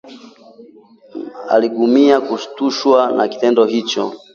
“Mmmh!” Aligugumia kushtushwa na kitendo hicho